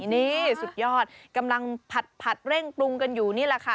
นี่สุดยอดกำลังผัดเร่งปรุงกันอยู่นี่แหละค่ะ